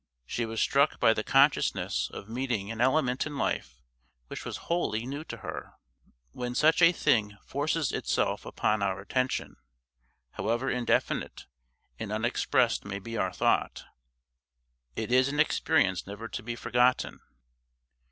She was struck by the consciousness of meeting an element in life which was wholly new to her. When such a thing forces itself upon our attention, however indefinite and unexpressed may be our thought, it is an experience never to be forgotten.